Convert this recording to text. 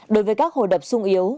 đối với các hồ đập sung yếu